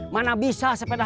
mana bisa sepeda bmx